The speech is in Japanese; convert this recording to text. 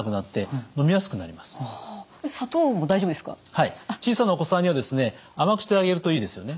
はい小さなお子さんには甘くしてあげるといいですよね。